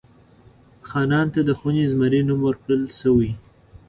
خانان ته د خوني زمري نوم ورکړل شوی.